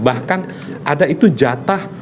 bahkan ada itu jatah